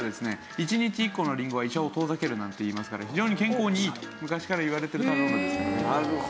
１日１個のりんごが医者を遠ざけるなんていいますから非常に健康にいいと昔からいわれてる食べ物ですよね。